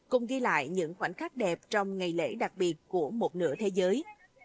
cùng ghi lại những khoảnh khắc đẹp trong ngày lễ đặc biệt của một nửa thế giới